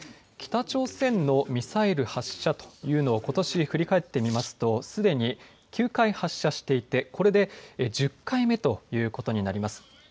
北朝鮮のミサイル発射というのをことし振り返ってみますとすでに９回発射していてこれで１０回目ということになります。